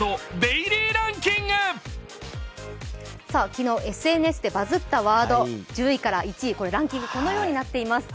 昨日、ＳＮＳでバズったワード１０位から１位、ランキングはこのようになっています。